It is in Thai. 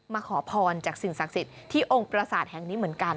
ขอพรจากสิ่งศักดิ์สิทธิ์ที่องค์ประสาทแห่งนี้เหมือนกัน